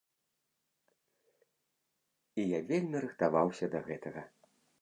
І я вельмі рыхтаваўся да гэтага.